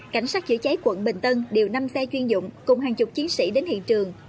cảnh sát chữa cháy quận bình tân điều năm xe chuyên dụng cùng hàng chục chiến sĩ đến hiện trường